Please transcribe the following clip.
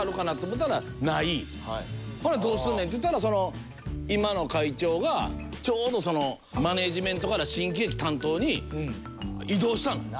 ほなどうすんねんって言ったらその今の会長がちょうどマネジメントから新喜劇担当に異動したの。